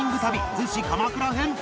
逗子鎌倉編